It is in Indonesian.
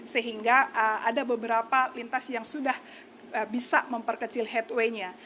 sehingga ada beberapa lintas yang sudah bisa memperkecil headway nya